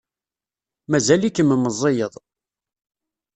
Mazal-ikem meẓẓiyeḍ.